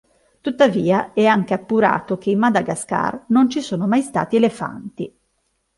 Tuttavia, è anche appurato che in Madagascar non ci sono mai stati elefanti.